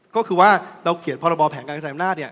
ก็คือว่าเราเขียนพรบแผนการกระจายอำนาจ